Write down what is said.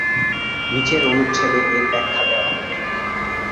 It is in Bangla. নিচের অনুচ্ছেদে এর ব্যাখ্যা দেওয়া হল।